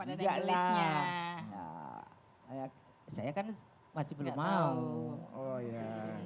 enggak lah saya kan masih belum mau